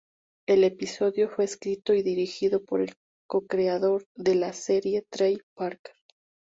El episodio fue escrito y dirigido por el cocreador de la serie Trey Parker.